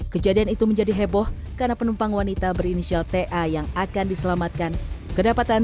kejadian itu menjadi heboh karena penumpang wanita berinisial ta yang akan diselamatkan kedapatan